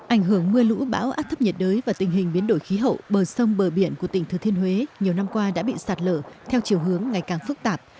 ảnh hưởng mưa lũ bão át thấp nhiệt đới và tình hình biến đổi khí hậu bờ sông bờ biển của tỉnh thừa thiên huế nhiều năm qua đã bị sạt lở theo chiều hướng ngày càng phức tạp